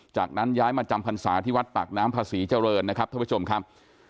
จากนั้นย้ายมาจำพรรษาที่วัดปากน้ำภาษีเจริญนะครับท่านผู้ชมครับ